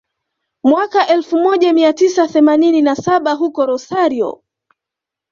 mwaka elfu moja mia tisa themanini na saba huko Rosario